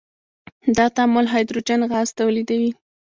دا تعامل هایدروجن غاز تولیدوي.